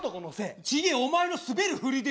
お前のスベるフリで。